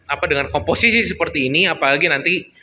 apa dengan komposisi seperti ini apalagi nanti